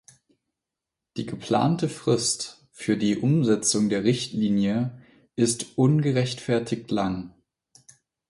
Die geplante Frist für die Umsetzung der Richtlinie ist ungerechtfertigt lang.